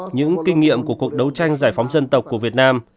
những kinh nghiệm của cuộc đấu tranh giải phóng dân tộc của việt nam